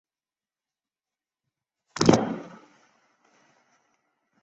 埃贝罗尔岑是德国下萨克森州的一个市镇。